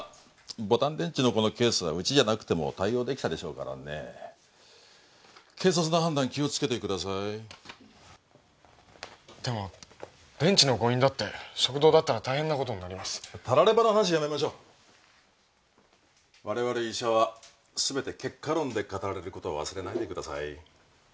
ボタン電池の子のケースはウチでなくても対応できただろうし軽率な判断気をつけてくださいでも電池の誤飲だって食道なら大変なことになりますたらればの話やめましょう我々医者はすべて結果論で語られるのを忘れないでください